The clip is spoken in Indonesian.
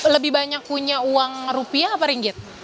lebih banyak punya uang rupiah apa ringgit